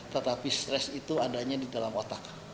tetapi stres itu adanya di dalam otak